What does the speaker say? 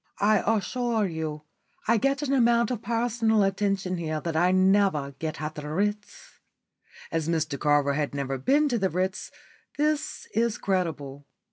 I assure you I get an amount of personal attention here that I never get at the Ritz." As Mr Carver had never been to the Ritz this is credible.